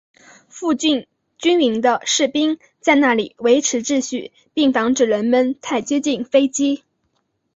附近军营的士兵在那里维持秩序并防止人们太接近飞机。